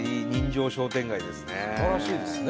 すばらしいですね。